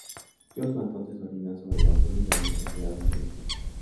Joshua entonces orina sobre la comida y es castigado por lo que hizo.